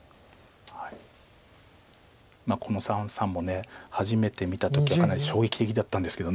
この三々も初めて見た時はかなり衝撃的だったんですけど。